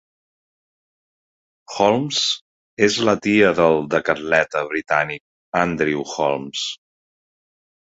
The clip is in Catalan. Holmes és la tia del decatleta britànic Andrew Holmes.